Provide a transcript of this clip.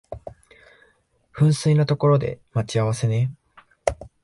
噴水の所で待ち合わせね